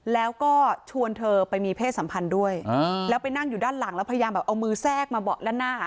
แล้วก็ชวนเธอไปมีเพศสัมพันธ์ด้วยแล้วไปนั่งอยู่ด้านหลังแล้วพยายามแบบเอามือแทรกมาเบาะด้านหน้า